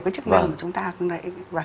chức năng của chúng ta